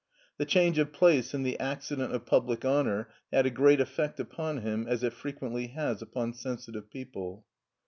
The change of place and the accident of public honor had a great effect upon him, as it frequently has upon sensi tive people.